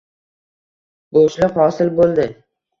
Bo‘shliq hosil bo‘ldi.